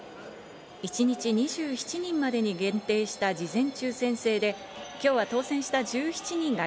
一日２７人までに限定した事前抽選制で、今日は当選した１７人が